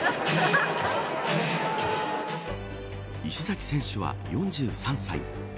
石崎選手は４３歳。